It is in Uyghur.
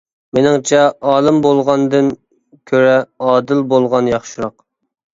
مېنىڭچە، ئالىم بولغاندىن كۆرە، ئادىل بولغان ياخشىراق.